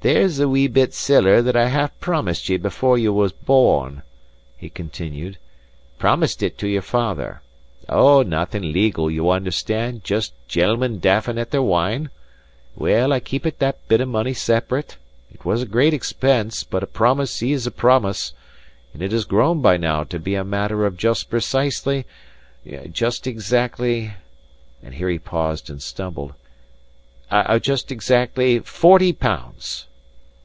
"There's a wee bit siller that I half promised ye before ye were born," he continued; "promised it to your father. O, naething legal, ye understand; just gentlemen daffing at their wine. Well, I keepit that bit money separate it was a great expense, but a promise is a promise and it has grown by now to be a matter of just precisely just exactly" and here he paused and stumbled "of just exactly forty pounds!"